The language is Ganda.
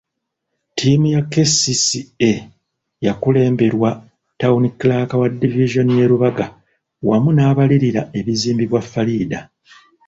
Ttiimu ya KCCA yakulemberwa Town Clerk wa divizoni y'e Lubaga wamu n'abalirira ebizimbibwa Faridah.